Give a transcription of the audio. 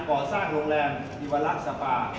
ก่อสร้างโรงแรมยีวรักษ์สปา